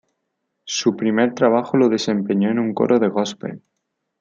Su primer trabajo lo desempeñó en un coro de Gospel.